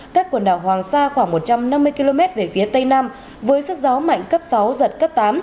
cách quần đảo hoàng sa khoảng một trăm năm mươi km về phía tây nam với sức gió mạnh cấp sáu giật cấp tám